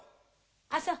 あっそう。